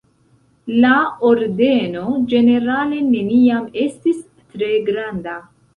La ordeno ĝenerale neniam estis tre granda.